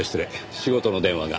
仕事の電話が。